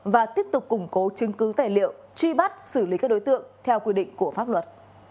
và tiếp tục củng cố chứng cứ tài liệu truy bắt xử lý các đối tượng theo quy định của pháp luật